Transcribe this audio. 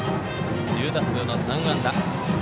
１０打数の３安打。